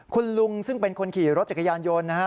คุณลุงซึ่งเป็นคนขี่รถจักรยานยนต์นะฮะ